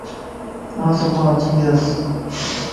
آن صبان اچيندياس